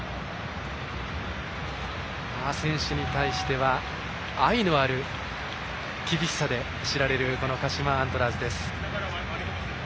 選手に対しては愛のある厳しさで知られる鹿島アントラーズです。